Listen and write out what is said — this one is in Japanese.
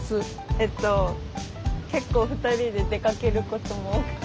えっと結構２人で出かけることも多くて。